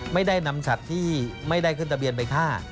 ไม่ได้นำสัตว์ที่ไม่ได้ขึ้นทะเบียนไปฆ่า